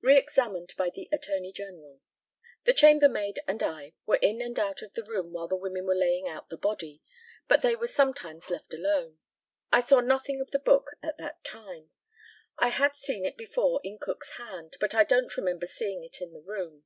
Re examined by the ATTORNEY GENERAL. The chamber maid and I were in and out of the room while the women were laying out the body, but they were sometimes left alone. I saw nothing of the book at that time. I had seen it before in Cook's hand, but I don't remember seeing it in the room.